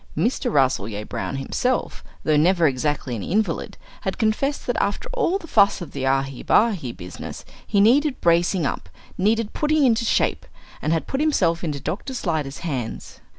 Mr. Rasselyer Brown himself, though never exactly an invalid, had confessed that after all the fuss of the Yahi Bahi business he needed bracing up, needed putting into shape, and had put himself into Dr. Slyder's hands.